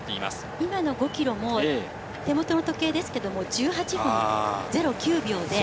今の５ｋｍも手元の時計で１８分０９秒。